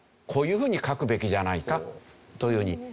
こういうふうに書くべきじゃないかというふうに。